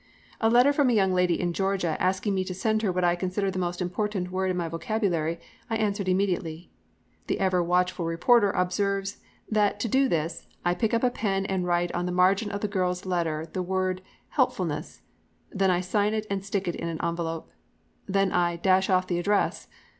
A letter from a young lady in Georgia, asking me to send her what I consider the most important word in my vocabulary, I answered immediately. The ever watchful reporter observes that to do this "I pick up a pen and write on the margin of the girl's letter the word 'helpfulness.'" Then I sign it and stick it in an envelope. Then I "dash off the address."